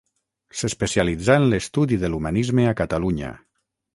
S'especialitzà en l'estudi de l'humanisme a Catalunya.